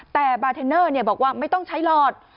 แต่บาร์เทนเนอร์บอกว่าไม่ต้องใช้หลอด